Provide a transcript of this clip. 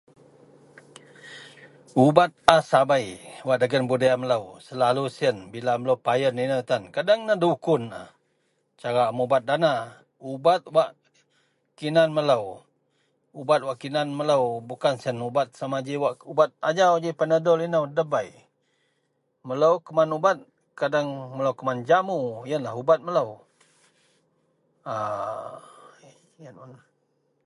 Ubat a sabei wak dagen budaya melou selalu siyen bila melou payen inou tan, kadeng nedukun a cara a mubat dana. Ubat wak kinan melou, ubat wak kinan melou bukan siyen ubat sama ji wak ubat ajau ji Panadol inou, debei, melou keman ubat kadeng melou keman jamu yenlah ubat melou. [A] yen un.